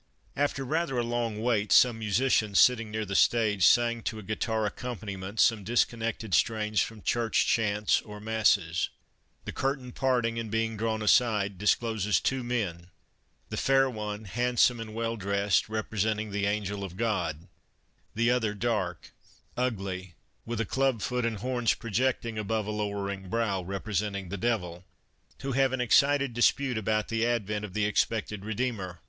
After rather a long wait, some musicians sitting near the stage sang to a guitar accompaniment some disconnected strains from church chants or masses. The curtain, parting and being drawn aside, discloses two men, the one fair, handsome and well dressed, representing the Angel of God, the other dark, ugly, with a club foot and horns projecting above a lowering brow, representing the devil, who have an excited dispute about the ad vent of the expected Redeemer.